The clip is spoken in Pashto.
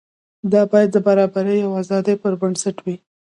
دا باید د برابرۍ او ازادۍ پر بنسټ وي.